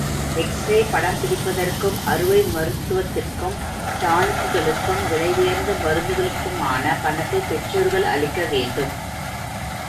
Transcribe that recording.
X ray படம் பிடிப்பதற்கும், அறுவை மருத்துவத்திற்கும், டானிக்குகளுக்கும், விலையுயர்ந்த மருந்துகளுக்குமான பணத்தைப் பெற்றோர்கள் அளிக்க வேண்டும்.